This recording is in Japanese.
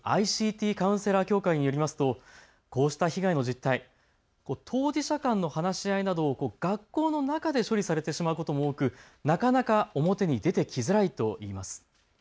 ＩＣＴカウンセラー協会によりますとこうした被害の実態、当事者間の話し合いなどを学校の中で処理されてしまうことも多く、なかなか表に出てきづらいといいます。